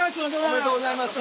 おめでとうございます。